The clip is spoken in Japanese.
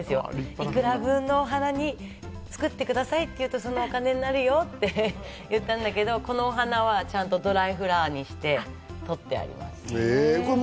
いくら分のお花を作ってくださいっていうと、そのお金になるよって言ったんだけど、このお花はちゃんとドライフラワーにしてとってあります。